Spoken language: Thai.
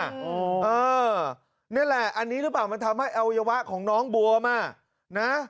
เออนี่แหละอันนี้หรือเปล่ามันทำให้อวัยวะของน้องบัวมานะ